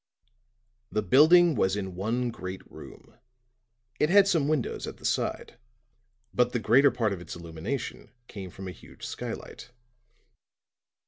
The building was in one great room. It had some windows at the side, but the greater part of its illumination came from a huge skylight.